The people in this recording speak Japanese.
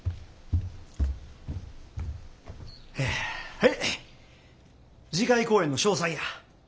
はい次回公演の詳細や。